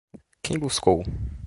Quem buscou?